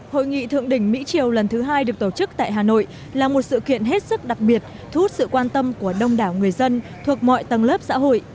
hội nghị thượng đỉnh mỹ triều lần thứ hai được tổ chức tại hà nội là một sự kiện hết sức đặc biệt thu hút sự quan tâm của đông đảo người dân thuộc mọi tầng lớp xã hội